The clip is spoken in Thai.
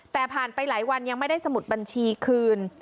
แต่ผ่านไปหลายวันยังไม่ได้สมุดบัญชีคืน